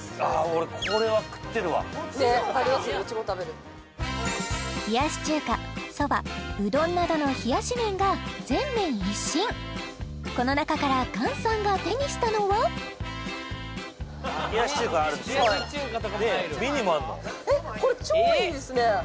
俺これは食ってるわねっ分かりますうちも食べる冷やし中華そばうどんなどのこの中から菅さんが手にしたのは冷やし中華あるでしょでミニもあるのえっこれ超いいですね